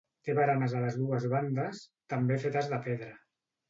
Té baranes a les dues bandes, també fetes de pedra.